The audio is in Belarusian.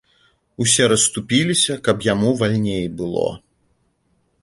Усе расступіліся, каб яму вальней было.